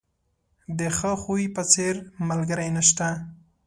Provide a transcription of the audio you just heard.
د ښه خوی په څېر، ملګری نشته.